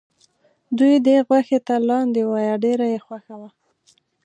دوی دې غوښې ته لاندی وایه ډېره یې خوښه وه.